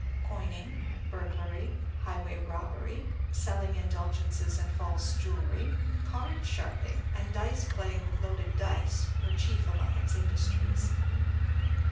Coining, burglary, highway robbery, selling indulgences and false jewellery, card sharping, and dice playing with loaded dice, were chief among its industries."